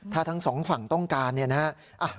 ถ้าทั้งสองฝั่งต้องการเนี่ยนะฮะ